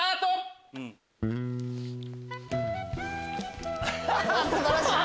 おっ素晴らしい！